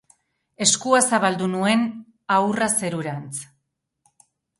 Eskua zabaldu nuen ahurra zerurantz.